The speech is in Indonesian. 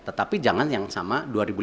tetapi jangan yang sama dua ribu lima belas